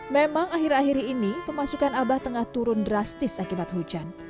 memang akhir akhir ini pemasukan abah tengah turun drastis akibat hujan